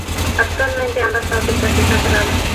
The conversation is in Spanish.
Actualmente ambas fábricas están cerradas.